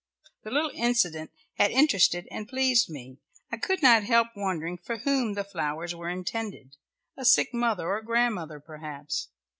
The little incident had interested and pleased me. I could not help wondering for whom the flowers were intended a sick mother or grandmother perhaps.